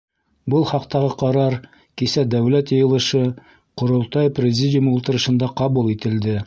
Был хаҡтағы ҡарар кисә Дәүләт Йыйылышы — Ҡоролтай Президиумы ултырышында ҡабул ителде.